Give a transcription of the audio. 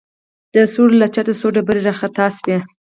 د سوړې له چته څو ډبرې راخطا سوې.